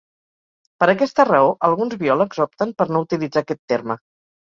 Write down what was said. Per aquesta raó, alguns biòlegs opten per no utilitzar aquest terme.